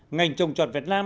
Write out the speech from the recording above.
ngành trồng trọt việt nam